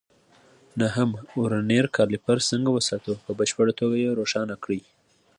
نهم: ورنیر کالیپر څنګه وساتو؟ په بشپړه توګه یې روښانه کړئ.